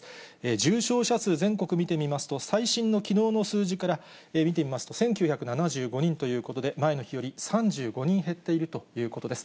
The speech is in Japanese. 重症者数、全国見てみますと、最新のきのうの数字から見てみますと、１９７５人ということで、前の日より３５人減っているということです。